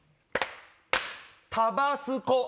タバスコ！